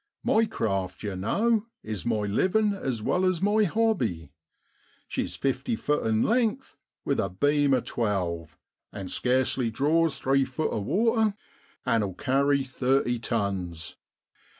My craft, yow know, is my livin' as well as my hobby. She's fifty fut in length, with a beam of twelve, and scarcely draws three fut of water, an' '11 carry thirty tons.